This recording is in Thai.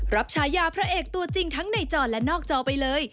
ฉายาพระเอกตัวจริงทั้งในจอและนอกจอไปเลย